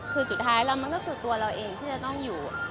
คือสุดท้ายแล้วมันก็คือตัวเราเองที่จะต้องอยู่